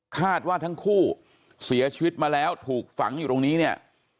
คาดว่าทั้งคู่เสียชีวิตมาแล้วถูกฝังอยู่ตรงนี้เนี่ย